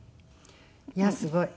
いやあすごい。